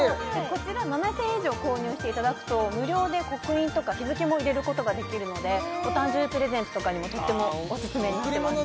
こちら７０００円以上購入していただくと無料で刻印とか日付も入れることができるのでお誕生日プレゼントとかにもとってもおすすめになってます